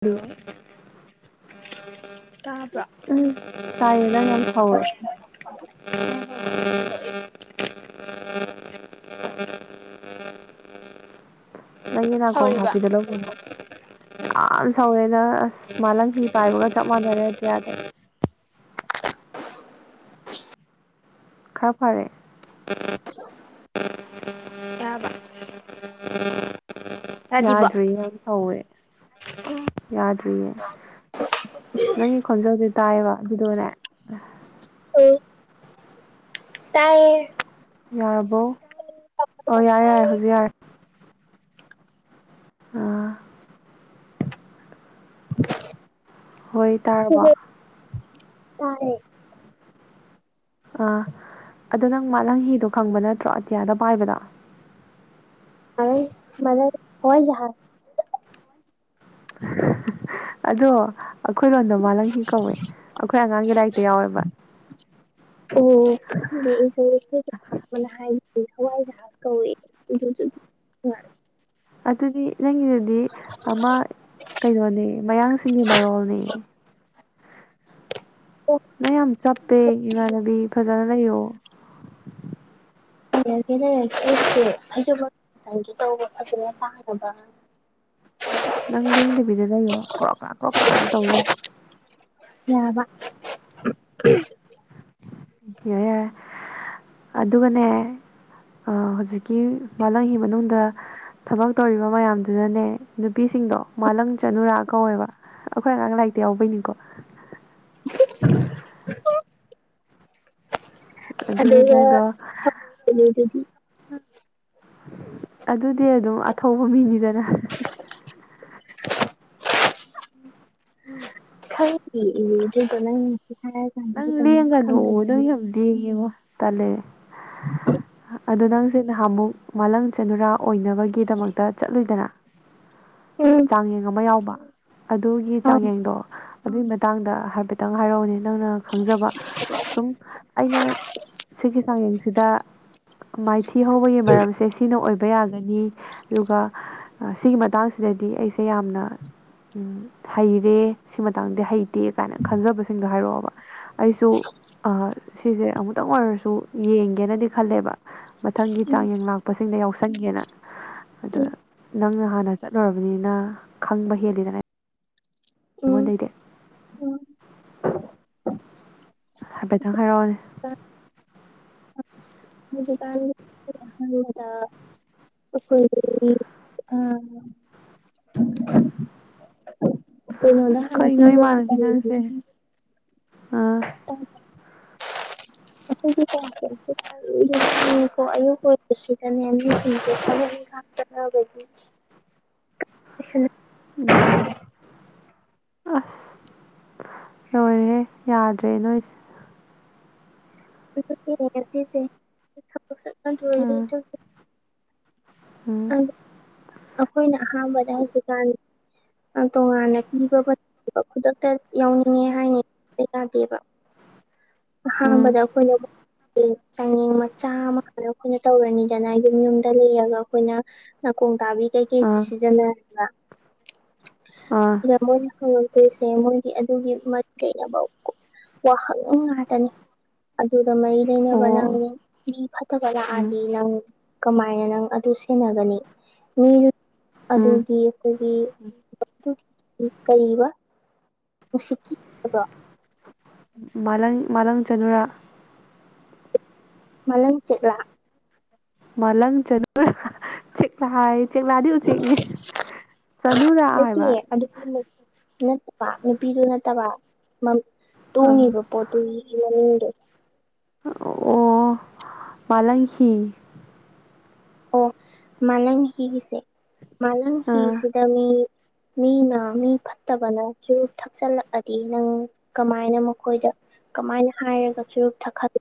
ꯗꯤ hello ꯇꯥꯕꯔꯣ ꯑꯁ ꯇꯥꯏꯌꯦ ꯅꯪ ꯌꯥꯝ ꯁꯧꯋꯦ [unintelligible] ꯅꯪꯒꯤ ꯅꯥꯀꯣꯡ ꯁꯧꯔꯤꯕ ꯍꯥꯞꯄꯤꯗ ꯂꯧꯒꯦꯗ ꯌꯥꯝ ꯁꯧꯋꯦꯗ ꯑꯁ ꯃꯥꯂꯪ ꯐꯤ ꯄꯥꯏꯕꯒ ꯆꯞ ꯃꯥꯟꯅꯔꯦ ꯑꯇꯤꯌꯥꯗ ꯈꯔ ꯐꯥꯔꯦ ꯌꯥꯕ ꯌꯥꯗꯤꯕꯣ ꯌꯥꯗ꯭ꯔꯤ ꯌꯥꯝ ꯁꯧꯋꯦ ꯌꯥꯗ꯭ꯔꯤꯌꯦ ꯅꯪꯒꯤ ꯈꯣꯟꯖꯦꯜꯁꯦ ꯇꯥꯏꯌꯦꯕ ꯑꯗꯨꯗꯣꯅꯦ ꯇꯥꯏꯌꯦ ꯌꯥꯔꯕꯣ ꯑꯣ ꯌꯥꯔꯦ ꯌꯥꯔꯦ ꯍꯧꯖꯤꯛ ꯌꯥꯔꯦ ꯍꯥ ꯍꯣꯏ ꯇꯥꯔꯕꯣ ꯇꯥꯔꯦ ꯑꯥ ꯑꯗꯣ ꯅꯪ ꯃꯥꯂꯪ ꯍꯤꯗꯣ ꯈꯪꯕ ꯅꯠꯇ꯭ꯔꯣ ꯑꯇꯤꯌꯥꯗ ꯄꯥꯏꯕꯗꯣ ꯑꯗꯩꯩ ꯁꯨꯃꯥꯏꯅꯥ ꯋꯔꯤꯖꯦ ꯍꯥꯟꯅ ꯑꯗꯣ ꯑꯩꯈꯣꯏ ꯂꯣꯟꯗ ꯃꯥꯂꯪꯍꯤ ꯀꯧꯋꯦ ꯑꯩꯈꯣꯏ ꯑꯉꯥꯡꯒꯤ ꯂꯥꯏꯔꯤꯛꯇ ꯌꯥꯎꯋꯦꯕ ꯑꯣ ꯈꯪꯦ ꯑꯩ ꯍꯋꯥꯏꯖꯍꯥꯖ ꯀꯧꯏ ꯑꯗꯨ [inaudible] ꯑꯗꯨꯗꯤ ꯅꯪꯒꯤꯗꯨꯗꯤ ꯑꯃ ꯀꯩꯅꯣꯅꯦ ꯃꯌꯥꯡꯁꯤꯡꯒꯤ ꯃꯔꯣꯜꯅꯦ ꯑꯣ ꯅꯪ ꯌꯥꯝ ꯆꯞꯄꯦ ꯏꯃꯥꯟꯅꯕꯤ ꯐꯖꯅ ꯂꯩꯌꯣ ꯦ [inaudible] ꯑꯩꯁꯦ ꯐꯖꯪꯒꯦ ꯇꯧꯕ ꯐꯖꯅ ꯇꯥꯅꯕ ꯅꯪ ꯂꯦꯡꯗꯕꯤꯗ ꯂꯩꯌꯣ ꯀ꯭ꯔꯣꯛ ꯀꯔꯥꯛ ꯀ꯭ꯔꯣꯛ ꯀꯔꯥꯛ ꯑꯗꯨꯝ ꯇꯧꯂꯩ ꯌꯥꯔꯕ ꯌꯥꯔꯦ ꯌꯥꯔꯦ ꯑꯗꯨꯒꯅꯦ ꯍꯧꯖꯤꯛꯀꯤ ꯃꯂꯪꯒꯤ ꯃꯅꯨꯡꯗ ꯊꯕꯛ ꯇꯧꯔꯤꯕ ꯃꯌꯥꯝꯗꯨꯅꯅꯦ ꯅꯨꯄꯤꯁꯤꯡꯗꯣ ꯃꯥꯂꯪ ꯆꯅꯨꯔꯥ ꯀꯧꯋꯦꯕ ꯑꯩꯈꯣꯏ ꯑꯉꯥꯡ ꯂꯥꯏꯔꯤꯛꯇ ꯌꯥꯎꯕꯩꯅꯤꯀꯣ ꯑꯗꯨꯅ ꯑꯗꯨꯒ ꯅꯪꯗꯣ [inaudible] ꯑꯗꯨꯗꯤ ꯑꯗꯨꯝ ꯑꯊꯧꯕ ꯃꯤꯅꯤꯗꯅ ꯈꯪꯗꯦ ꯑꯗꯨꯗꯣ ꯅꯪꯁꯤ ꯍꯥꯏꯔꯦ [inaudible] ꯅꯪ ꯂꯦꯡꯒꯅꯣ ꯅꯪ ꯌꯥꯝ ꯌꯦꯡ ꯌꯦꯡꯉꯣ ꯇꯜꯂꯦ ꯑꯗꯣ ꯅꯪꯁꯦ ꯅꯍꯥꯟꯃꯨꯛ ꯃꯥꯂꯪ ꯆꯅꯨꯔꯥ ꯑꯣꯏꯅꯕꯒꯤꯗꯃꯛꯇ ꯆꯠꯂꯨꯢꯗꯅ ꯎꯝ ꯆꯥꯡꯌꯦꯡ ꯑꯃ ꯌꯥꯎꯕ ꯑꯗꯨꯒꯤ ꯑꯥꯎ ꯆꯥꯡꯌꯦꯡꯗꯣ ꯑꯗꯨꯏ ꯃꯇꯥꯡꯗ ꯍꯥꯏꯐꯦꯠꯇꯪ ꯍꯥꯏꯔꯧꯅꯦ ꯅꯪꯅ ꯈꯪꯖꯕ ꯁꯨꯝ ꯑꯩꯅ ꯁꯤꯒꯤ ꯆꯥꯡꯌꯦꯡꯁꯤꯗ ꯃꯥꯏꯊꯤ ꯍꯧꯕꯒꯤ ꯃꯔꯝꯁꯦ ꯁꯤ ꯁꯤꯅ ꯑꯣꯏꯕ ꯌꯥꯒꯅꯤ ꯑꯗꯨꯒ ꯁꯤꯒꯤ ꯃꯇꯥꯡꯁꯤꯗꯗꯤ ꯑꯩꯁꯦ ꯌꯥꯝꯅ ꯍꯩꯔꯦ ꯁꯤ ꯃꯇꯥꯡꯗꯤ ꯍꯩꯇꯦ ꯀꯥꯏꯅ ꯈꯟꯖꯕꯁꯤꯡꯗꯣ ꯍꯥꯏꯔꯛꯑꯣꯕ ꯑꯩꯁꯨ ꯑ ꯁꯤꯁꯦ ꯑꯃꯨꯛꯇꯪ ꯑꯣꯏꯔꯁꯨ ꯌꯦꯡꯒꯦꯅꯗꯤ ꯈꯜꯂꯦꯕ ꯃꯊꯪꯒꯤ ꯎꯝ ꯆꯥꯡꯌꯦꯡ ꯂꯥꯛꯄꯁꯤꯡꯗ ꯌꯥꯎꯁꯟꯒꯦꯅ ꯑꯗꯣ ꯅꯪꯅ ꯍꯥꯟꯅ ꯆꯠꯂꯨꯔꯕꯅꯤꯅ ꯈꯪꯕ ꯍꯦꯜꯂꯤꯗꯅ ꯎꯝ ꯑꯩꯉꯣꯟꯗꯩꯗꯦ ꯎꯝ ꯎꯝ ꯍꯥꯏꯐꯦꯠꯇꯪ ꯍꯥꯏꯔꯛꯑꯣꯅꯦ ꯍꯧꯖꯤꯛꯒꯥꯟ [inaudible] [unintelligible] [unintelligible] ꯀꯩꯅꯣꯗ ꯍꯥꯟꯅ ꯀꯩꯅꯣ ꯄꯤꯕ ꯏꯄꯥꯟꯅꯕꯤ ꯃꯇꯝꯗ ꯅꯪꯁꯦ ꯑꯥ ꯍ [inaudible] [unintelligible] [inaudible] [unintelligible] [inaudible] [unintelligible] ꯎꯝ ꯑꯁ ꯂꯣꯏꯔꯦꯍꯦ ꯌꯥꯗ꯭ꯔꯦ ꯅꯣꯏꯗꯤ ꯁꯦ [inaudible] ꯎꯝ ꯎꯝ ꯑꯩꯈꯣꯏꯅ ꯑꯍꯥꯟꯕꯗ ꯍꯧꯖꯤꯛꯀꯥꯟ ꯇꯣꯉꯥꯟꯅ ꯄꯤꯕꯕ ꯈꯨꯗꯛꯇ ꯌꯥꯎꯅꯤꯡꯉꯦ ꯍꯥꯏꯅꯕ ꯌꯥꯗꯦꯕ ꯎꯝ ꯑꯍꯥꯥꯟꯕꯖ ꯑꯩꯈꯣꯏꯅ ꯆꯥꯡꯌꯦꯡ ꯃꯆꯥ ꯑꯃ ꯍꯥꯟꯅ ꯑꯩꯈꯣꯏꯅ ꯇꯧꯔꯅꯤꯗꯅ ꯌꯨꯝ ꯌꯨꯝꯗ ꯂꯩꯔꯒ ꯑꯩꯈꯣꯏꯅ ꯅꯥꯀꯣꯡ ꯇꯥꯕꯤ ꯀꯩꯀꯩꯁꯦ ꯑꯥ ꯁꯤꯖꯤꯟꯅꯔꯒ ꯑꯥ ꯁꯤꯗ ꯃꯣꯏꯅ ꯁꯤꯁꯦ ꯃꯣꯏꯒꯤ ꯑꯗꯨꯒꯤ ꯃꯔꯤ ꯂꯩꯅꯕ ꯋꯥꯍꯪ ꯉꯥꯛꯇ ꯅꯤ ꯑꯗꯨꯒ ꯃꯔꯤ ꯑꯣ ꯂꯩꯅꯕ ꯅꯪ ꯃꯤ ꯐꯠꯇꯕ ꯎꯝ ꯂꯥꯛꯑꯗꯤ ꯅꯪ ꯀꯃꯥꯏꯅ ꯅꯪ ꯑꯗꯨ ꯁꯦꯟꯅꯒꯅꯤ ꯃꯤ ꯎꯝ ꯑꯗꯨꯗꯤ ꯑꯩꯈꯣꯏꯒꯤ ꯀꯔꯤꯕ ꯅꯨꯡꯁꯤꯠꯈꯤꯕꯈꯤꯕꯗꯣ [inaudible] ꯃꯥꯂꯪ ꯃꯥꯂꯪ ꯆꯅꯨꯔꯥ ꯃꯥꯂꯪ ꯆꯦꯛꯂꯥ ꯃꯥꯂꯪ ꯆꯅꯨꯔꯥ ꯆꯦꯛꯂꯥ ꯍꯥꯏꯌꯦ ꯆꯦꯛꯂꯥꯗꯤ ꯎꯆꯦꯛꯅꯦ ꯆꯅꯨꯔꯥ ꯅꯠꯇꯦ ꯍꯥꯏꯕ ꯑꯗꯨꯒꯤ ꯅꯠꯇꯕ ꯅꯨꯄꯤꯗꯨ ꯅꯠꯇꯕ ꯇꯣꯡꯉꯤꯕ ꯑꯥ ꯄꯣꯠꯇꯨꯒꯤ ꯃꯃꯤꯡꯗꯣ ꯑꯣ ꯃꯥꯂꯪꯍꯤ ꯑꯣ ꯃꯥꯂꯪ ꯍꯤꯁꯦ ꯃꯥꯂꯪ ꯑꯥ ꯍꯤꯁꯤꯗ ꯃꯤ ꯃꯤꯅ ꯃꯤ ꯐꯠꯇꯕꯅ ꯆꯨꯔꯨꯞ ꯊꯛꯆꯜꯂꯛꯑꯗꯤ ꯅꯪ ꯀꯃꯥꯏꯅ ꯃꯈꯣꯏꯗ ꯀꯃꯥꯏꯅ ꯍꯥꯏꯔꯒ ꯆꯨꯔꯨꯞ ꯊꯠ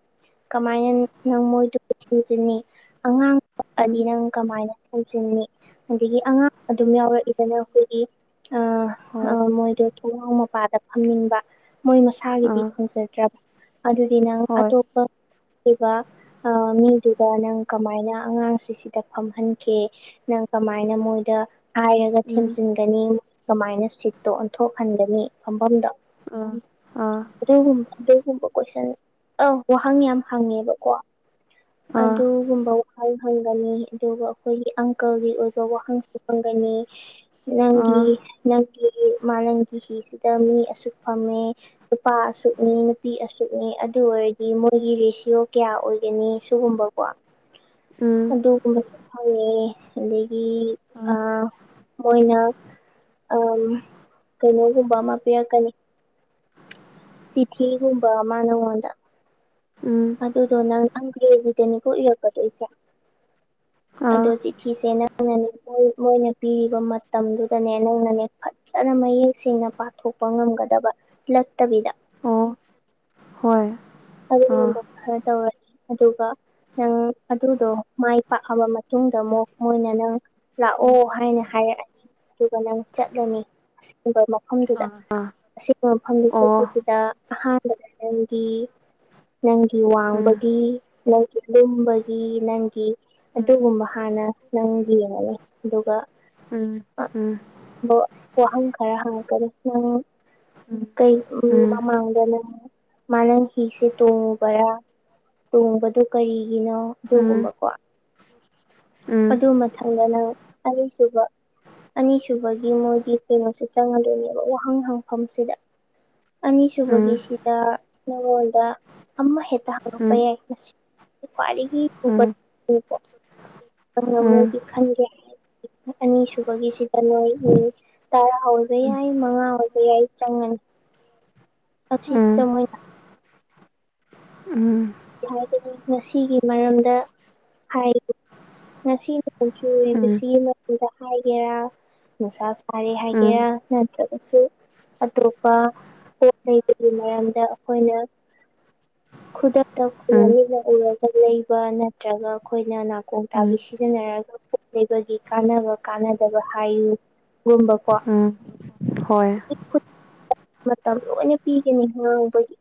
ꯀꯃꯥꯏꯅ ꯅꯪ ꯃꯣꯏꯗꯨꯕꯨ ꯊꯦꯝꯖꯤꯟꯅꯤ ꯑꯉꯥꯡ ꯎꯝ ꯑꯗꯤ ꯅꯪ ꯀꯃꯥꯏꯅ ꯊꯦꯝꯖꯤꯟꯅꯤ ꯑꯗꯒꯤ ꯑꯉꯥꯡ ꯑꯗꯨꯝ ꯑꯥ ꯌꯥꯎꯔꯛꯏꯗꯅ ꯑꯩꯈꯣꯏꯒꯤ ꯑ ꯍꯣꯏ ꯑꯥ ꯃꯣꯏꯗꯣ ꯊꯣꯡꯅꯥꯎ ꯃꯄꯥꯗ ꯐꯝꯅꯤꯡꯕ ꯃꯣꯏ ꯃ ꯃꯁꯥꯒꯤꯗꯤ ꯑꯥ ꯐꯪꯖꯗ꯭ꯔꯕ ꯑꯗꯨꯗꯤ ꯅꯪ ꯍꯣꯏ ꯑꯇꯣꯞꯄ ꯑꯗꯨꯒ ꯑ ꯃꯤꯗꯨꯗ ꯅꯪ ꯀꯃꯥꯏꯅ ꯑꯉꯥꯡꯁꯤ ꯁꯤꯗ ꯐꯝꯍꯟꯒꯦ ꯅꯪ ꯀꯃꯥꯏꯅ ꯃꯣꯏꯗ ꯍꯥꯏꯔꯒ ꯎꯝ ꯊꯦꯝꯖꯤꯟ ꯒꯅꯤ ꯀꯃꯥꯏꯅ ꯁꯤꯠꯇꯣ ꯑꯣꯟꯊꯣꯛꯍꯟꯒꯅꯤ ꯐꯝꯐꯝꯗꯣ ꯎꯝ ꯑꯗꯨꯒꯨꯝꯕ ꯑꯗꯨꯒꯨꯝꯕ ꯀꯣꯏꯁꯟ ꯑꯥꯎ ꯋꯥꯍꯪ ꯌꯥꯝ ꯍꯪꯉꯦꯕꯀꯣ ꯑ ꯑꯗꯨ ꯒꯨꯝꯕ ꯍꯪꯒꯅꯤ ꯑꯗꯨꯒ ꯑꯩꯈꯣꯏꯒꯤ ꯑꯪꯀꯒꯤ ꯑꯣꯏꯕ ꯋꯥꯍꯪꯁꯨ ꯍꯪꯒꯅꯤ ꯑ ꯅꯪꯒꯤ ꯎꯝ ꯅꯪꯒꯤ ꯃꯥꯂꯪꯒꯤ ꯍꯤꯁꯤꯗ ꯃꯤ ꯑꯁꯨꯛ ꯐꯝꯃꯦ ꯅꯨꯄꯥ ꯑꯁꯨꯛꯅꯤ ꯅꯨꯄꯤ ꯑꯁꯨꯛꯅꯤ ꯑꯗꯨ ꯑꯣꯏꯔꯗꯤ ꯃꯣꯏꯒꯤ ꯔꯦꯁꯤꯌꯣ ꯀꯌꯥ ꯑꯣꯏꯒꯅꯤ ꯁꯨꯒꯨꯝꯕꯀꯣ ꯑꯗꯨꯒꯨꯝꯕꯁꯨ ꯍꯪꯉꯦ ꯑꯗꯒꯤ ꯑ ꯃꯣꯏꯅ ꯎꯝ ꯀꯩꯅꯣꯒꯨꯝꯕ ꯑꯃ ꯄꯤꯔꯛꯀꯅꯤ ꯆꯤꯊꯤꯒꯨꯝꯕ ꯃꯥ ꯅꯉꯣꯟꯗ ꯎꯝ ꯑꯗꯨꯗꯣ ꯅꯪ ꯑꯪꯒ꯭ꯔꯦꯖꯤꯗꯅꯤꯀ ꯏꯔꯛꯀꯗꯣꯏꯁꯦ ꯑꯗꯣ ꯑ ꯆꯤꯊꯤꯁꯦ ꯅꯪ ꯑꯩꯅꯅꯦ ꯃꯣꯏ ꯃꯣꯏꯅ ꯄꯤꯔꯤꯕ ꯃꯇꯝꯗꯨꯗꯅꯦ ꯅꯪꯅꯅꯦ ꯐꯖꯅ ꯃꯌꯦꯛ ꯁꯦꯡꯅ ꯄꯥꯊꯣꯛ ꯄ ꯉꯝꯒꯗꯕ ꯅꯠꯇꯕꯤꯗ ꯑꯣ ꯍꯣꯏ ꯑ ꯑꯗꯨꯒꯨꯝꯕ ꯈꯔ ꯇꯧꯔꯅꯤ ꯑꯗꯨꯒ ꯅꯪ ꯑꯗꯨꯗꯣ ꯃꯥꯏ ꯄꯥꯛꯑꯕ ꯃꯇꯨꯡꯗ ꯑꯃꯨꯛ ꯃꯣꯏꯅ ꯅꯪ ꯎꯝ ꯂꯥꯛꯑꯣ ꯍꯥꯏꯅ ꯍꯥꯏꯔꯛꯑꯅꯤ ꯑꯗꯨꯒ ꯅꯪ ꯆꯠꯂꯅꯤ ꯑꯁꯤꯒꯨꯝꯕ ꯑ ꯃꯐꯝꯗꯨꯗ ꯑꯁꯤꯒꯨꯝꯕ ꯃꯐꯝꯗꯨ ꯑꯣ ꯆꯠꯄꯁꯤꯗ ꯑꯍꯥꯟꯕꯗ ꯅꯪꯒꯤ ꯅꯪꯒꯤ ꯎꯝ ꯋꯥꯡꯕꯒꯤ ꯅꯪꯒꯤ ꯂꯨꯝꯕꯒꯤ ꯅꯪꯒꯤ ꯎꯝ ꯑꯗꯨꯒꯨꯝꯕ ꯍꯥꯟꯅ ꯅꯪꯒꯤ ꯌꯦꯡꯉꯅꯤ ꯑꯗꯨꯒ ꯎꯝ ꯎꯝ ꯗꯣ ꯋꯥꯍꯪ ꯈꯔ ꯍꯪꯉꯛꯀꯅꯤ ꯅꯪ ꯀꯩ ꯎꯝ ꯃꯃꯥꯡꯗ ꯅꯪ ꯃꯥꯂꯪ ꯍꯤꯁꯦ ꯇꯣꯡꯉꯨꯕꯔꯥ ꯇꯣꯡꯕꯗꯨ ꯀꯔꯤꯒꯤꯅꯣ ꯑꯗꯨꯒꯨꯝꯕꯀꯣ ꯑꯗꯨ ꯎꯝ ꯃꯊꯪꯗ ꯅꯪ ꯑꯅꯤꯁꯨꯕ ꯑꯅꯤꯁꯨꯕꯒꯤ ꯃꯣꯏꯒꯤ ꯀꯩꯅꯣꯁꯦ ꯆꯪꯉꯗꯣꯏꯅꯦꯕ ꯋꯥꯍꯪ ꯍꯪꯐꯝꯁꯤꯗ ꯑꯅꯤꯁꯨꯕꯒꯤꯁꯤꯗ ꯅꯉꯣꯟꯗ ꯑꯃ ꯍꯦꯛꯇ ꯎꯝ ꯎꯝ ꯎꯝ [unintelligible] ꯎꯝ ꯌꯥꯏ ꯉꯁꯤ ꯈ꯭ꯋꯥꯏꯗꯒꯤ [unintelligible] ꯑꯩꯅ ꯃꯣꯏꯒꯤ ꯈꯟꯒꯦ [unintelligible] ꯑꯅꯤꯁꯨꯕꯒꯤꯁꯤꯗ ꯅꯣꯏ [unintelligible] ꯇꯔꯥ ꯑꯣꯏꯕ ꯌꯥꯏ ꯃꯉꯥ ꯑꯣꯢꯕ ꯌꯥꯏ ꯆꯪꯉꯅꯤ [unintelligible] ꯎꯝ ꯍꯥꯏꯕꯅꯤ ꯉꯁꯤꯒꯤ ꯃꯔꯝꯗ ꯍꯥꯏꯔꯤ ꯉꯁꯤ [unintelligible] ꯅꯨꯡꯁꯥ ꯍꯥꯏꯒꯦꯔꯥ ꯅꯨꯡꯁꯥ ꯁꯥꯔꯤ ꯍꯥꯏꯒꯦꯔꯥ ꯅꯠꯇ꯭ꯔꯒꯁꯨ ꯑꯇꯣꯞꯄ ꯄꯣꯠ ꯂꯩꯕꯒꯤ ꯃꯔꯝꯗ ꯑꯩꯈꯣꯏꯅ ꯈꯨꯗꯛ ꯈꯨꯗꯝ ꯑꯣꯏꯅ ꯃꯤꯠꯅ ꯎꯔꯒ ꯂꯩꯕ ꯅꯠꯇ꯭ꯔꯒ ꯑꯩꯈꯣꯏꯅ ꯅꯥꯀꯣꯡ ꯇꯥꯕꯤ ꯁꯤꯖꯤꯟꯅꯔꯒ ꯄꯣꯠ ꯂꯩꯕꯒꯤ ꯀꯥꯟꯅꯕ ꯀꯥꯟꯅꯗꯕ ꯍꯥꯏꯌꯨꯒꯨꯝꯕꯀꯣ ꯍꯣꯏ ꯃꯇꯝ ꯂꯣꯏꯅ ꯄꯤꯒꯅꯤ ꯉꯥꯡꯕꯒꯤ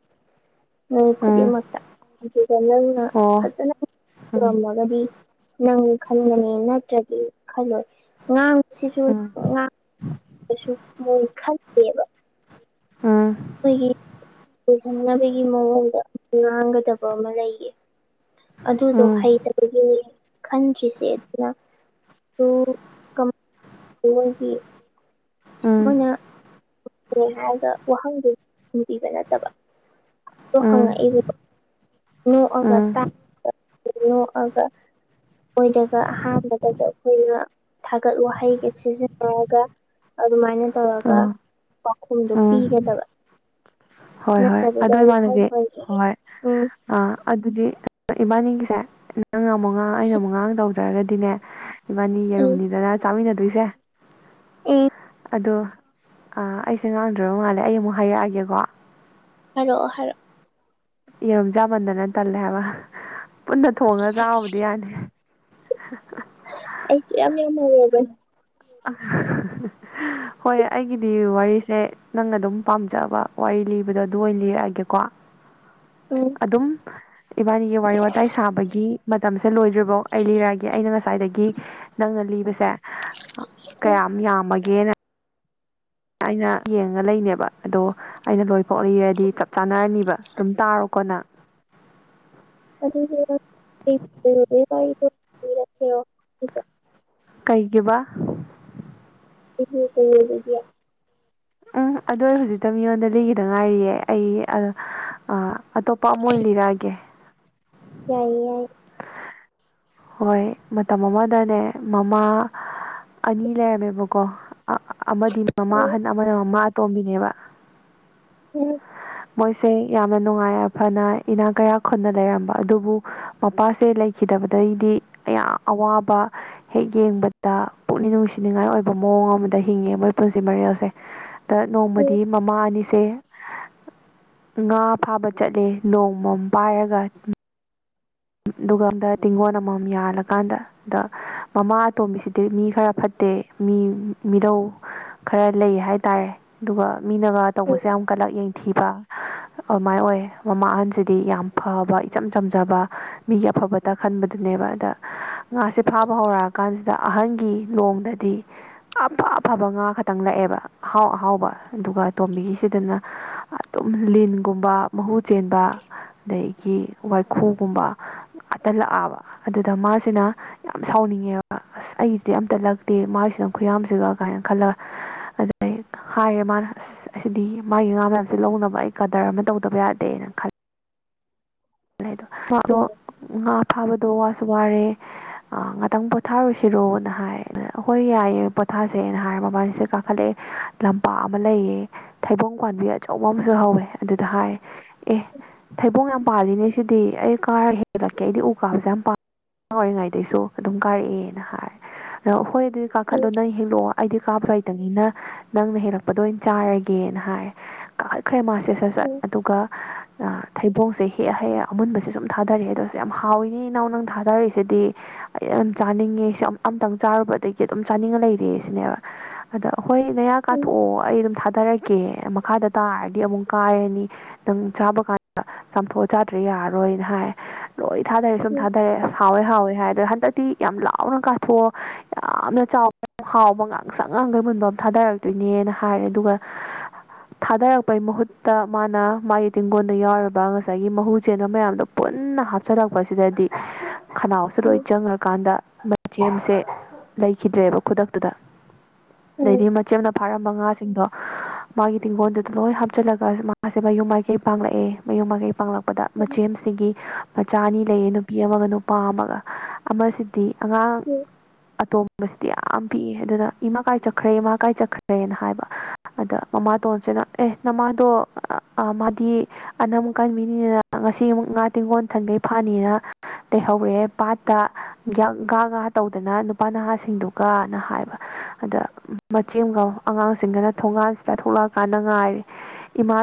ꯅꯣꯏ ꯎꯝ ꯈꯨꯗꯤꯡꯃꯛꯇ ꯑꯗꯨꯒ ꯅꯪ ꯅ ꯑꯣ ꯎꯝ ꯐꯖꯅ ꯎꯝ ꯎꯝ ꯉꯝꯃꯒꯗꯤ ꯅꯪ ꯈꯟꯒꯅꯤ ꯅꯠꯇ꯭ꯔꯗꯤ ꯈꯜꯂꯣꯏ ꯉꯥꯡꯕꯁꯤꯁꯨ ꯉꯥꯡ ꯁꯨ ꯃꯣꯏ ꯈꯟꯗꯦꯕ ꯑꯥ ꯑꯩꯈꯣꯏꯒꯤ ꯄꯨꯁꯟꯅꯅꯕꯒꯤ ꯃꯑꯣꯡꯗ ꯉꯥꯡꯒꯗꯕ ꯑꯃ ꯂꯩꯌꯦ ꯎꯝ ꯎꯝ ꯑꯗꯨꯗꯣ ꯎꯝ ꯎꯝ ꯑ ꯍꯩꯇꯕꯒꯤꯅꯦ ꯈꯟꯗ꯭ꯔꯤꯁꯦ ꯑꯗꯨꯅ [unintelligible] ꯃꯣꯏꯅ [unintelligible] ꯍꯥꯏꯔꯒ ꯋꯥꯍꯪꯗꯨꯣ ꯍꯪꯕꯤꯕ ꯅꯠꯇꯕ [unintelligible] ꯅꯣꯛꯑꯒ ꯇꯥꯛ ꯄ ꯅꯣꯛꯑꯒ ꯃꯣꯏꯗꯒ ꯑꯍꯥꯟꯕꯗꯒ ꯑꯩꯈꯣꯏꯅ ꯊꯥꯒꯠ ꯋꯥꯍꯩꯒ ꯁꯤꯖꯤꯟꯅꯔꯒ ꯑꯗꯨꯃꯥꯏꯅ ꯇꯧꯔꯒ ꯎꯝ ꯄꯥꯎꯈꯨꯝꯗꯣ ꯄꯤꯒꯗꯕ ꯍꯣꯏ ꯍꯣꯏ ꯅꯠꯇꯕꯤꯗ ꯑꯗꯣ ꯏꯃꯥꯟꯅꯕꯤ ꯋꯥꯍꯪ ꯍꯣꯏ ꯍꯪꯉꯛꯑꯦ ꯍꯣꯏ ꯎꯝ ꯑꯥ ꯑꯗꯨꯗꯤ ꯏꯕꯥꯅꯤꯒꯤꯁꯦ ꯅꯪ ꯑꯃꯨꯛ ꯉꯥꯡ ꯑꯩꯅ ꯑꯃꯨꯛ ꯉꯥꯡ ꯇꯧ ꯌꯥꯠꯇ꯭ꯔꯒꯗꯤꯅꯦ ꯏꯕꯥꯅꯤ ꯎꯝ ꯌꯦꯔꯨꯝꯅꯤꯗꯅ ꯆꯥꯃꯤꯟꯅꯗꯣꯏꯁꯦ ꯢ ꯑꯗꯣ ꯑ ꯑꯩꯁꯦ ꯉꯥꯡꯗ꯭ꯔꯕ ꯃꯥꯜꯂꯦ ꯑꯩ ꯑꯃꯨꯛ ꯍꯥꯏꯔꯛꯑꯒꯦꯀꯣ ꯍꯥꯏꯔꯛꯑꯣ ꯍꯥꯏꯔꯣ ꯌꯦꯔꯨꯝ ꯆꯥꯃꯟꯗꯅ ꯇꯜꯂꯦ ꯍꯥꯏꯕ ꯄꯨꯟꯅ ꯊꯣꯡꯉꯒ ꯆꯥꯕꯕꯨꯗꯤ ꯌꯥꯅꯤ ꯑꯩꯁꯨ ꯌꯥꯝ ꯌꯥꯝ ꯍꯧꯔꯕꯅꯤ ꯍꯣꯏ ꯑꯩꯒꯤꯗꯤ ꯋꯥꯔꯤꯁꯦ ꯅꯪꯅ ꯑꯗꯨꯝ ꯄꯥꯝꯖꯕ ꯋꯥꯔꯤ ꯂꯤꯕꯗꯣ ꯑꯗꯨ ꯑꯣꯏꯅ ꯂꯤꯔꯛꯑꯒꯦꯀꯣ ꯎꯝ ꯑꯗꯨꯝ ꯏꯕꯥꯟꯅꯤꯒꯤ ꯋꯥꯔꯤ ꯋꯥꯇꯥꯏ ꯁꯥꯕꯒꯤ ꯃꯇꯝꯁꯦ ꯂꯣꯏꯗ꯭ꯔꯤꯕꯧ ꯑꯩ ꯂꯤꯔꯛ ꯑꯒꯦ ꯑꯩꯅ ꯉꯁꯥꯏꯗꯒꯤ ꯅꯪꯅ ꯂꯤꯕꯁꯦ ꯑ ꯎꯝ ꯀꯌꯥꯝ ꯌꯥꯝꯃꯒꯦꯅ ꯑꯩꯅ ꯌꯦꯡꯉ ꯂꯩꯅꯦꯕ ꯑꯗꯣ ꯑꯩꯅ ꯂꯣꯏ ꯄꯣꯛꯏꯔꯗꯤ ꯆꯞ ꯆꯥꯅꯔꯅꯤꯕ ꯗꯨꯝ ꯇꯥꯔꯣꯀꯣ ꯅ [unintelligible] [unintelligible] [unintelligible] ꯀꯩꯒꯤꯕ [unintelligible] ꯎꯝ ꯑꯗꯨꯗꯣ ꯍꯧꯖꯤꯛꯇ ꯃꯤꯉꯣꯟꯗ ꯂꯤꯈꯤꯗ ꯉꯥꯏꯔꯤꯌꯦ ꯑꯩ ꯑ ꯑ ꯑꯇꯣꯞꯄ ꯑꯃ ꯑꯣꯏꯅ ꯂꯤꯔꯛꯑꯒꯦ ꯌꯥꯏꯌꯦ ꯌꯥꯏꯌꯦ ꯍꯣꯏ ꯃꯇꯝ ꯑꯃꯗꯅꯦ ꯃꯃꯥ ꯑꯅꯤ ꯂꯩꯔꯝꯃꯦꯕꯀꯣ ꯑꯃꯗꯤ ꯃꯃꯥ ꯎꯝ ꯑꯍꯟ ꯑꯃꯅ ꯃꯃꯥ ꯑꯇꯣꯝꯕꯤꯅꯦꯕ ꯎꯝ ꯃꯣꯏꯁꯦ ꯌꯥꯝꯅ ꯅꯨꯡꯉꯥꯏ ꯑꯐꯅ ꯏꯅꯥꯛ ꯀꯩꯔꯥ ꯈꯨꯟꯅ ꯂꯩꯔꯝꯕ ꯑꯗꯨꯕꯨ ꯃꯄꯥꯁꯦ ꯂꯩꯈꯤꯗꯕꯩꯗꯤ ꯑꯌꯥꯝ ꯑꯋꯥꯕ ꯍꯦꯛ ꯌꯦꯡꯕꯗ ꯄꯨꯛꯅꯤꯡ ꯅꯨꯡꯁꯤꯅꯤꯉꯥꯏ ꯑꯣꯏꯕ ꯃꯑꯣꯡ ꯑꯃꯗ ꯍꯤꯡꯉꯦ ꯃꯣꯏ ꯄꯨꯟꯁꯤ ꯃꯔꯦꯜꯁꯦ ꯗ ꯎꯝ ꯅꯣꯡꯃꯗꯤ ꯃꯃꯥ ꯑꯅꯤꯁꯦ ꯉꯥ ꯐꯥꯕ ꯆꯠꯂꯦ ꯅꯣꯡꯃꯝ ꯄꯥꯏꯔꯒ ꯑꯗꯨꯒ ꯑꯃꯗ ꯇꯤꯡꯒꯣꯟ ꯑꯃꯃꯝ ꯌꯥꯜꯂꯀꯥꯟꯗ ꯑꯗ ꯃꯃꯥ ꯑꯇꯣꯝꯕꯤꯁꯤꯗꯤ ꯃꯤ ꯈꯔ ꯐꯠꯇꯦ ꯃꯤ ꯃꯤꯔꯧ ꯈꯔ ꯂꯩ ꯍꯥꯏ ꯇꯔꯦ ꯑꯗꯨꯒ ꯃꯤꯅꯒ ꯎꯝ ꯇꯧꯕꯁꯦ ꯌꯥꯝ ꯀꯂꯛ ꯌꯦꯡ ꯊꯤꯕ ꯑꯗꯨꯃꯥꯏꯅ ꯑꯣꯏ ꯃꯃꯥ ꯑꯍꯟꯁꯤꯗꯤ ꯌꯥꯝ ꯐꯕ ꯏꯆꯝ ꯆꯝꯖꯕ ꯃꯤꯒꯤ ꯑꯐꯕꯇ ꯈꯟꯕꯗꯨꯅꯦꯕ ꯑꯗ ꯉꯥꯁꯦ ꯐꯥꯕ ꯍꯧꯔꯛꯑꯀꯥꯟꯁꯤꯗ ꯑꯍꯟꯒꯤ ꯂꯣꯡꯗꯗꯤ ꯑꯐ ꯑꯐꯕ ꯉꯥ ꯈꯛꯇꯪ ꯂꯥꯛꯑꯦꯕ ꯑꯍꯥꯎ ꯑꯍꯥꯎꯕ ꯑꯗꯨꯒ ꯇꯣꯝꯕꯤꯒꯤꯁꯤꯗꯅ ꯑꯗꯨꯝ ꯂꯤꯟꯒꯨꯝꯕ ꯃꯍꯨ ꯆꯦꯟꯕ ꯑꯗꯒꯤ ꯋꯥꯏꯈꯣꯡ ꯨꯝꯕ ꯑꯇꯜꯂꯛꯑꯕ ꯑꯗꯨꯗ ꯃꯥꯁꯤꯅ ꯌꯥꯝ ꯁꯥꯎꯅꯤꯡꯉꯦꯕ ꯑꯁ ꯑꯩꯗꯤ ꯑꯝꯇ ꯂꯛꯇꯦ ꯃꯥꯒꯤꯁꯤꯅ ꯈꯨꯌꯥꯝꯁꯤꯒ ꯀꯥꯏꯅ ꯈꯜꯂꯒ ꯑꯗꯩ ꯍꯥꯏꯔꯦ ꯃꯥꯅ ꯑꯁ ꯑꯁꯤꯗꯤ ꯃꯥꯒꯤ ꯉꯥ ꯃꯌꯥꯝꯁꯦ ꯂꯧꯅꯕ ꯑꯩ ꯀꯗꯔ ꯑꯃ ꯇꯧꯗꯕ ꯌꯥꯗꯦꯅ ꯈꯜꯂꯦ ꯃꯥꯗꯣ ꯎꯝ ꯉꯥ ꯐꯥꯕꯗꯣ ꯋꯥꯁꯨ ꯋꯥꯔꯦ ꯑ ꯉꯥꯛꯇꯪ ꯄꯣꯊꯥꯔꯨꯁꯤꯔꯣꯅ ꯍꯥꯏ ꯍꯣꯏ ꯌꯥꯏꯑꯌꯦ ꯄꯣꯊꯥꯁꯦꯅ ꯍꯥꯏꯔ ꯃꯕꯥꯜꯁꯤꯗ ꯀꯥꯈꯠꯂꯛꯑꯦ ꯂꯝꯄꯥꯛ ꯑꯃ ꯂꯩꯌꯦ ꯊꯩꯕꯣꯡ ꯄꯥꯟꯕꯤ ꯑꯆꯧꯕ ꯑꯃꯁꯨ ꯍꯧꯋꯦ ꯑꯗꯨꯗ ꯍꯥꯏ ꯑꯦ ꯊꯩꯕꯣꯡ ꯌꯥꯝ ꯄꯥꯜꯂꯤ ꯁꯤꯗꯤ ꯑꯩ ꯀꯥꯔ ꯍꯦꯜꯂꯛꯀꯦ ꯑꯩꯗꯤ ꯎ ꯀꯥꯕꯁꯨꯦ ꯌꯥꯝ ꯄꯥꯝ ꯑꯥꯡ ꯑꯣꯏꯔꯤꯉꯩꯗꯩꯁꯨ ꯑꯗꯨꯝ ꯀꯥꯔꯛꯑꯦꯅ ꯍꯥꯏꯔꯦ ꯑꯗꯣ ꯍꯣ ꯑꯗꯨꯗꯤ ꯀꯥꯈꯠꯂꯣ ꯎꯝ ꯅꯪ ꯍꯤꯂꯛꯑꯣ ꯑꯩꯗꯤ ꯀꯥꯕꯁꯨ ꯍꯩꯇꯕꯅꯤꯅ ꯅꯪꯅ ꯍꯦꯜꯂꯛꯄꯗ ꯑꯣꯏꯅ ꯆꯥꯔꯒꯦꯅ ꯍꯥꯏꯔ ꯀꯥꯈꯠꯈ꯭ꯔꯦ ꯃꯥꯁꯦ ꯁꯠ ꯁꯠ ꯑꯗꯨꯒ ꯊꯩꯕꯣꯡꯁꯦ ꯍꯦꯛ ꯍꯦꯛ ꯑꯃꯨꯟꯕꯁꯦ ꯁꯨꯝ ꯊꯥꯗꯔꯛꯑꯦ ꯑꯗꯁꯨ ꯌꯥꯝ ꯍꯥꯎꯋꯤꯅꯤ ꯏꯅꯥꯎ ꯅꯪ ꯊꯥꯗꯔꯛꯏꯁꯤꯗꯤ ꯑꯩ ꯌꯥꯝ ꯆꯥꯅꯤꯡꯉꯦ ꯑꯝꯇꯪ ꯆꯥꯔꯨꯕꯗꯒꯤ ꯑꯗꯨꯝ ꯆꯥꯅꯤꯡꯉ ꯂꯩꯔꯦ ꯁꯤꯅꯦꯕ ꯑꯗ ꯍꯣꯏ ꯅꯌꯥ ꯎꯝ ꯀꯥꯊꯣꯛꯑꯣ ꯑꯩ ꯑꯗꯨꯝ ꯊꯥꯗꯔꯛꯀꯦ ꯃꯈꯥꯗ ꯇꯥꯔꯗꯤ ꯑꯃꯨꯛ ꯀꯥꯏꯔꯅꯤ ꯑꯗꯨꯝ ꯆꯥꯕ ꯃꯥꯝꯕ ꯆꯥꯝꯐꯨꯠ ꯆꯥꯗ꯭ꯔꯦ ꯌꯥꯔꯔꯣꯏꯅ ꯍꯥꯏ ꯂꯣꯏ ꯊꯥꯗꯔꯦ ꯁꯨꯝ ꯎꯝ ꯊꯥꯗꯔꯦ ꯑꯁ ꯍꯥꯎꯋꯦ ꯍꯥꯎꯋꯦ ꯍꯥꯏ ꯑꯗ ꯍꯟꯗꯛꯇꯤ ꯌꯥꯝ ꯂꯥꯎꯅ ꯀꯥꯊꯣꯛꯑꯣ ꯌꯥꯝꯅ ꯆꯥꯎꯕ ꯍꯥꯎꯕ ꯉꯥꯡꯁꯪ ꯉꯥꯡꯈꯩ ꯃꯨꯟꯕ ꯑꯃ ꯊꯥꯗꯔꯛꯒꯦ ꯗꯨꯏꯅꯦꯅ ꯍꯥꯏꯔꯦ ꯑꯗꯨꯒ ꯊꯥꯗꯔꯛꯄꯩ ꯃꯍꯨꯠꯇ ꯃꯥꯅ ꯃꯥꯒꯤ ꯇꯤꯡꯒꯣꯟꯗ ꯌꯥꯎꯔꯕ ꯉ ꯉꯁꯥꯏꯒꯤ ꯃꯍꯨ ꯆꯦꯟꯕ ꯃꯌꯥꯝꯗꯣ ꯄꯨꯟꯅ ꯍꯥꯞꯆꯜꯂꯛꯄꯁꯤꯗꯗꯤ ꯈꯅꯥꯎꯁꯨ ꯂꯣꯏ ꯎꯝ ꯆꯪꯉ꯭ꯔꯀꯥꯟꯗ ꯃꯆꯦꯝꯁꯦ ꯂꯩꯈꯤꯗ꯭ꯔꯦꯕ ꯈꯨꯗꯛꯇꯨꯗ ꯑꯗꯩꯗꯤ ꯃꯆꯦꯝꯅ ꯐꯥꯔꯝꯕ ꯉꯥꯁꯤꯡꯗꯣ ꯃꯥꯒꯤ ꯇꯤꯡꯒꯣꯜꯗꯨꯗ ꯂꯣꯏ ꯍꯥꯞꯆꯤꯜꯂꯒ ꯃꯥꯁꯦ ꯃꯌꯨꯝ ꯃꯥꯏꯀꯩ ꯄꯥꯡꯂꯛꯑꯦ ꯃꯌꯨꯝ ꯃꯥꯏꯀꯩ ꯄꯥꯡꯪꯂꯛꯄꯗ ꯎꯝ ꯃꯆꯦꯝꯁꯤꯡꯒꯤ ꯃꯆꯥ ꯑꯅꯤ ꯂꯩꯌꯦ ꯅꯨꯄꯤ ꯑꯃꯒ ꯅꯨꯄꯥ ꯑꯃꯒ ꯑꯃꯁꯤ ꯗꯤ ꯑꯉꯥꯡ ꯎꯝ ꯑꯇꯣꯝ ꯕꯁꯤꯗꯤ ꯌꯥꯝ ꯄꯤꯛꯏ ꯑꯗꯨꯅ ꯏꯃꯥ ꯀꯥꯏ ꯆꯠꯈ꯭ꯔꯦ ꯏꯃꯥ ꯀꯥꯏ ꯆꯠꯈ꯭ꯔꯦꯅ ꯍꯥꯏꯕ ꯑꯗ ꯃꯃꯥꯇꯣꯟꯁꯤꯅ ꯑꯦ ꯅꯃꯥꯗꯣ ꯃꯥꯗꯤ ꯑꯅꯨꯛ ꯀꯟꯕꯅꯤꯗꯅ ꯉꯁꯤ ꯑꯃꯨꯛ ꯉꯥ ꯇꯤꯡꯒꯣꯟ ꯊꯟꯈꯩ ꯐꯥꯅꯤꯅ ꯇꯩꯍꯧꯔꯦ ꯄꯥꯠꯇ ꯉꯥ ꯇꯧꯗꯅ ꯅꯨꯄꯥ ꯅꯍꯥꯁꯤꯡꯗꯨ ꯀꯅ ꯍꯥꯏꯕ ꯑꯗ ꯃꯆꯦꯝꯒ ꯑꯉꯥꯡꯁꯤꯡꯗꯅ ꯊꯣꯡꯒꯥꯟꯁꯤꯗ ꯊꯣꯛꯂꯛꯑꯀꯥꯟꯗ ꯉꯥꯏꯔꯦ ꯏꯃꯥ